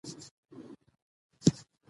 لوگر د افغان ماشومانو د لوبو موضوع ده.